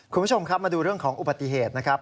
คุณผู้ชมครับมาดูเรื่องของอุบัติเหตุนะครับ